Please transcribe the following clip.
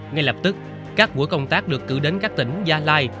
ngay lập tức các buổi công tác được cử đến các tỉnh gia lai